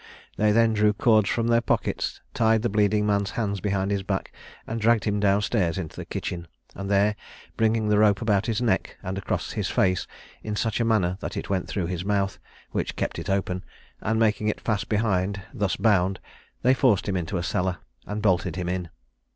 They then drew cords from their pockets, tied the bleeding man's hands behind his back, and dragged him down stairs into the kitchen, and there bringing the rope about his neck, and across his face, in such a manner that it went through his mouth, which it kept open, and making it fast behind, thus bound, they forced him into a cellar, and bolted him in.